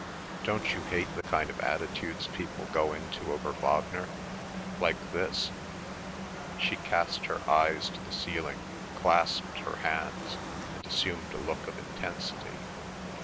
Don't you hate the kind of attitudes people go into over Wagner—like this—" She cast her eyes to the ceiling, clasped her hands, and assumed a look of intensity.